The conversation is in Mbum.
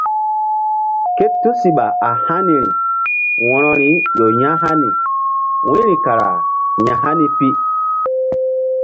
Ké tusiɓa a haniri wo̧roi ƴo ya̧hani wu̧yri kara ya̧hani pi.